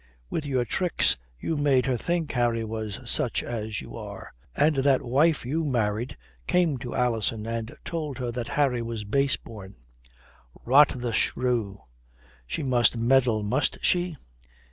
"With your tricks you made her think Harry was such as you are. And that wife you married came to Alison and told her that Harry was base born." "Rot the shrew! She must meddle must she?